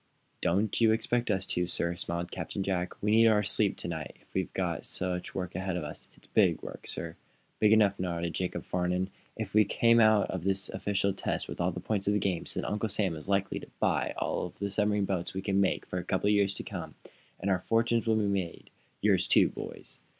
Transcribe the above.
"Don't you expect us to, sir," smiled Captain Jack. "We need our sleep to night, if we've got such work ahead of us. It's big, work, sir." "Big enough," nodded Jacob Farnum. "If we come out of this big official test with all the points of the game, then Uncle Sam is likely to buy all the submarine boats we can make for a couple of years to come and our fortunes will be made yours, too, boys!"